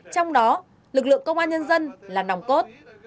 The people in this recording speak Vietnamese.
trong đó lực lượng công an nhân dân là nòng cốt